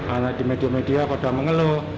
anak di media media pada mengeluh